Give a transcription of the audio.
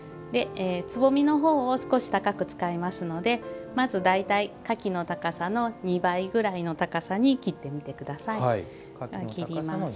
つぼみの方を少し高く使いますのでまず大体、花器の高さの２倍ぐらいの高さに切ってみてください。